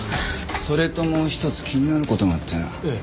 それともう一つ気になる事があってな。